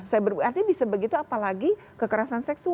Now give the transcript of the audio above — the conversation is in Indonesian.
artinya bisa begitu apalagi kekerasan seksual